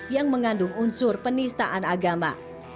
yang mengandung unsur penistaan agama